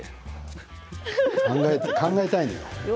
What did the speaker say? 考えたいのよ。